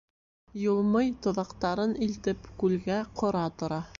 Юлмый тоҙаҡтарын илтеп күлгә ҡора тора.